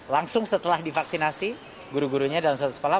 langsung setelah divaksinasi guru gurunya dalam satu sekolah